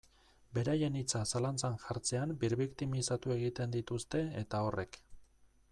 Beraien hitza zalantzan jartzean birbiktimizatu egiten dituzte, eta horrek.